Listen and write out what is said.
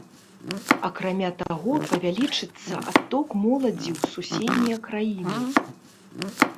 Акрамя таго, павялічыцца адток моладзі ў суседнія краіны.